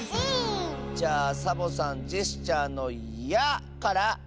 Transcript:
じゃあサボさんジェスチャーの「や」から！